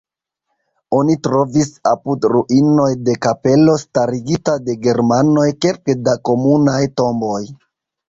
Oni trovis apud ruinoj de kapelo starigita de germanoj kelke da komunaj tomboj.